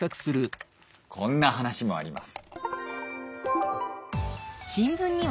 こんな話もあります。